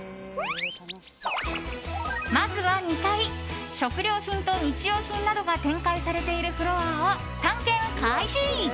まずは２階食料品と日用品などが展開されているフロアを探検開始。